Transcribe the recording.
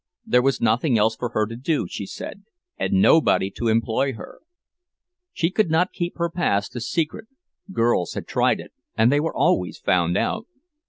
There was nothing else for her to do, she said, and nobody to employ her. She could not keep her past a secret—girls had tried it, and they were always found out.